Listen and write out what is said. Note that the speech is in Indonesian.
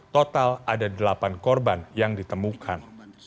total ada delapan korban yang ditemukan